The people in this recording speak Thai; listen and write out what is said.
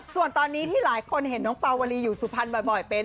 ส่วนตอนนี้ที่หลายคนเห็นน้องปาวลีอยู่สุพรรณบ่อยเป็น